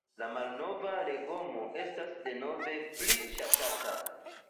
La „malnova legomo“ estas denove pli ŝatata.